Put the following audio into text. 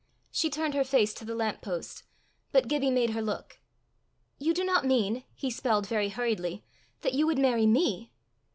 She turned her face to the lamp post. But Gibbie made her look. "You do not mean," he spelled very hurriedly, "that you would marry _me?